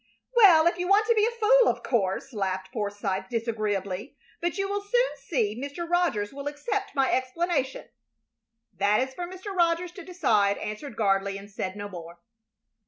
"Well, if you want to be a fool, of course," laughed Forsythe, disagreeably; "but you will soon see Mr. Rogers will accept my explanation." "That is for Mr. Rogers to decide," answered Gardley, and said no more.